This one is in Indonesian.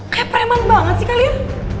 kayak preman banget sih kalian